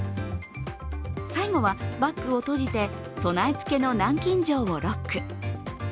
最後はバッグを閉じて備え付けの南京錠をロック。